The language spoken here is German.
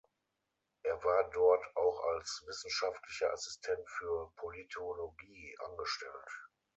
Er war dort auch als wissenschaftlicher Assistent für Politologie angestellt.